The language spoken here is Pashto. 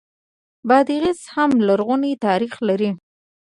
بادغیس هم لرغونی تاریخ لري